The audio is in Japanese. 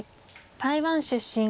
台湾出身。